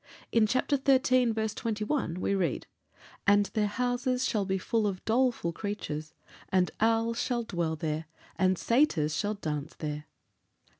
In chapter xiii., verse 21, we read: "And their houses shall be full of doleful creatures, and owls shall dwell there, and satyrs shall dance there."